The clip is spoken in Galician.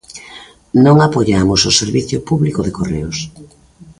Non apoiamos o servizo público de Correos.